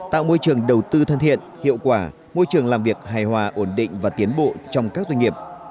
tạo môi trường đầu tư thân thiện hiệu quả môi trường làm việc hài hòa ổn định và tiến bộ trong các doanh nghiệp